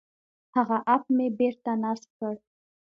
هغه اپ مې بېرته نصب کړ.